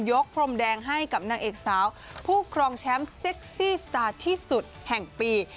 พรมแดงให้กับนางเอกสาวผู้ครองแชมป์เซ็กซี่สตาร์ที่สุดแห่งปี